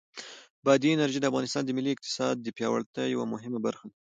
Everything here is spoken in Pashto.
بادي انرژي د افغانستان د ملي اقتصاد د پیاوړتیا یوه مهمه برخه ده.